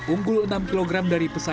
unggul enam kg dari pesat